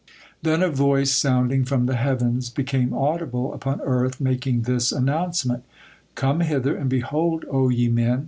Then a voice sounding from the heavens became audible upon earth, making this announcement: "Come hither and behold, O ye men!